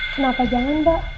kenapa jangan mbak